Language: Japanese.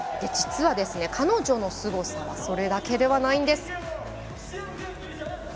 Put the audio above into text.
実は彼女のすごさはそれだけではないんです。